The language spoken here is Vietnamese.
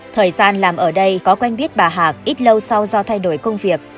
thời gian làm ở đây có quen biết bà hạc ít lâu sau do thay đổi công việc